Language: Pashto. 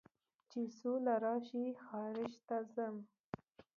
چې سوله راشي خارج ته ځم